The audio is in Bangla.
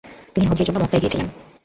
তিনি হজ্জের জন্য মক্কায় গিয়েছিলেন।